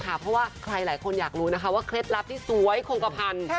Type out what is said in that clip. เพราะว่าใครหลายคนอยากรู้นะคะว่าเคล็ดลับที่สวยคงกระพัน